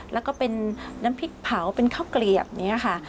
แล้วก็เป็นน้ำพริกเผาเป็นข้าวเกลียบอย่างนี้ค่ะ